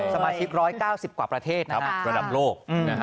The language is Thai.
สมาชิก๑๙๐กว่าประเทศระดับโลก